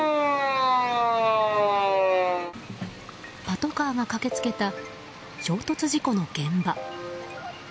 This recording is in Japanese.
パトカーが駆けつけた衝突事故の現場。